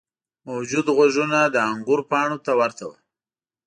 موجود غوږونه د انګور پاڼو ته ورته وو.